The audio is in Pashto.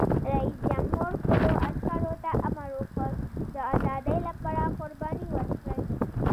رئیس جمهور خپلو عسکرو ته امر وکړ؛ د ازادۍ لپاره قرباني ورکړئ!